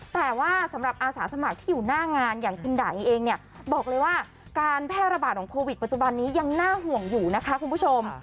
แต่ว่าสำหรับอาสาสมัครที่อยู่หน้างานอย่างคุณด่าเองเนี่ยบอกเลยว่าการแพร่ระบาดของโควิดปัจจุบันนี้ยังน่าห่วงอยู่นะคะคุณผู้ชม